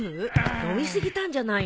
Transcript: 飲み過ぎたんじゃないの。